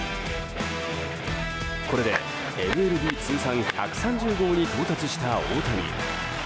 これでＭＬＢ通算１３０号に到達した大谷。